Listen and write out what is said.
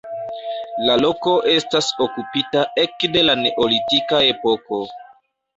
La loko estas okupita ekde la neolitika epoko.